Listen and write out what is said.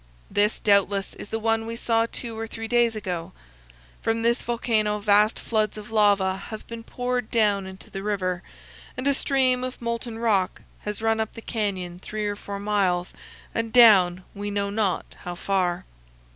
This, doubtless, is the one we saw two or three days ago. From this volcano vast floods of lava have been poured down into the river, and a stream of molten rock has run up the canyon three or four miles and down we know not how far.